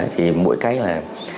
thì mỗi cái là